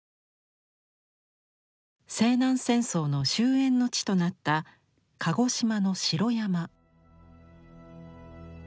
西南戦争の終焉の地となった鹿児島の城山。